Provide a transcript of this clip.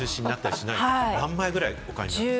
何枚ぐらいお買いになる？